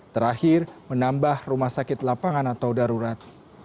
terakhir menambah rumah sakit lapangan atau darurat